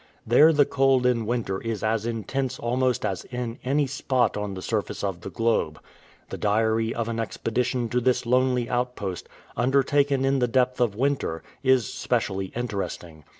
There the cold in winter is as intense almost as in any spot on the surface of the globe. The diary of an expedition to this lonely outpost, undertaken in the depth of winter, is specially interesting.